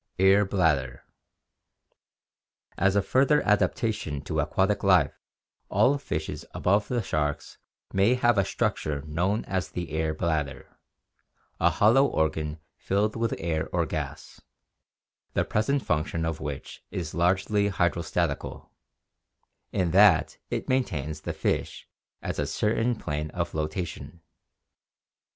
Air bladder. — As a further adaptation to aquatic life all fishes above the sharks may have a structure known as the air bladder — a hollow organ filled with air or gas, the present function of which is largely hydrostatical, in that it maintains the fish at a certain plane of flotation.